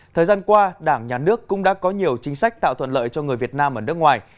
thời gian qua đảng nhà nước cũng đã có nhiều chính sách tạo thuận lợi cho người việt nam ở nước ngoài